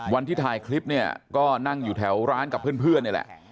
วันที่ถ่ายคลิปเนี่ยก็นั่งอยู่แถวร้านกับเพื่อนนี่แหละ